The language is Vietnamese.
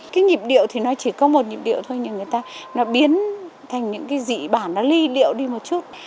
cái nhịp điệu thì nó chỉ có một nhịp điệu thôi nhưng người ta nó biến thành những cái dị bản nó ly điệu đi một chút